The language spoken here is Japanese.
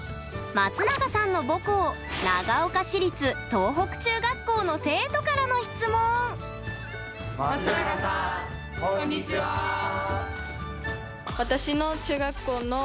松永さんの母校長岡市立東北中学校の松永さん、こんにちは。え？